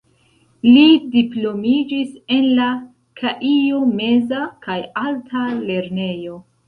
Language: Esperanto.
Li diplomiĝis en la Kaijo-meza kaj alta lernejo.